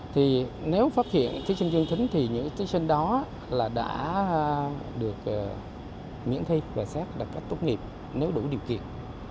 thì nếu phát hiện thí sinh dương tính thì những thí sinh đó đã được miễn thi và xét đặt cách tốt nghiệp nếu đủ điều kiện